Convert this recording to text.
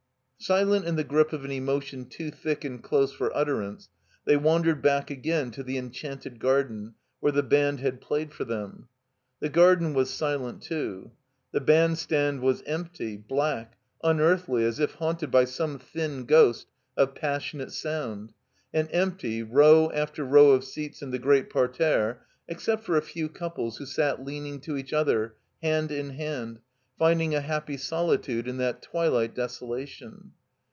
Silent in the grip of an emotion too thick and close for utterance, they wandered back again to the en chanted garden where the band had played for them. The garden was silent, too. The bandstand was empty, black, imearthly as if hatmted by some thin ghost of passionate sotmd; and empty, row after row of seats in the great parterre, except for a few couples who sat leaning to each other, hand in hand, finding a happy solitude in that twilight desolation.